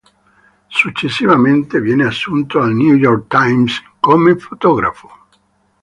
Successivamente viene assunto al "New York Times" come fotografo.